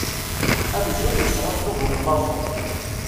Amzun yesεuẓẓug umellaẓu!